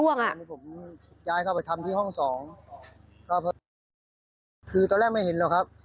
ผมย้ายเข้าไปทำที่ห้องสองคือตอนแรกไม่เห็นแล้วครับ